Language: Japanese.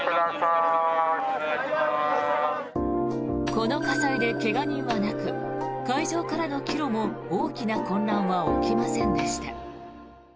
この火災で怪我人はなく会場からの帰路も大きな混乱は起きませんでした。